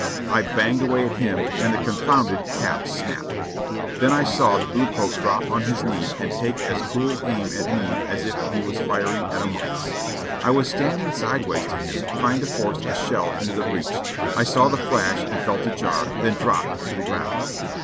I banged away at him and the con founded cap snapped ; then I saw the blue coat drop on his knee and take as cool aim at me as if he was firing at a mark. I w^as standing sidewise to him, trying to force a shell into the breech, I saw the flash and felt a jar, then dropped to the ground.